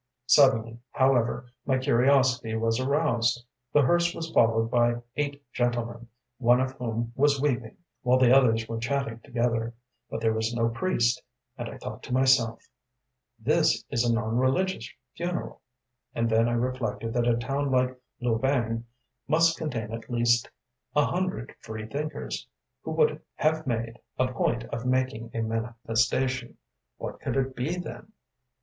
Suddenly, however, my curiosity was aroused. The hearse was followed by eight gentlemen, one of whom was weeping, while the others were chatting together, but there was no priest, and I thought to myself: “This is a non religious funeral,‚ÄĚ and then I reflected that a town like Loubain must contain at least a hundred freethinkers, who would have made a point of making a manifestation. What could it be, then?